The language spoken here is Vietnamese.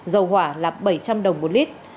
dầu hỏa là bảy trăm linh đồng một lít